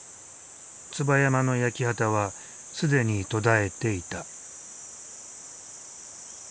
椿山の焼き畑は既に途絶えていた。